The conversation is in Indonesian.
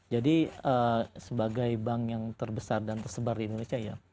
jadi sebagai bank yang terbesar dan tersebar di indonesia ya